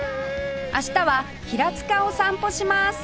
明日は平塚を散歩します